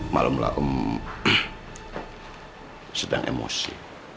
malumlah om sedang emosi